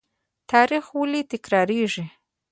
تاریخ ولې تکراریږي؟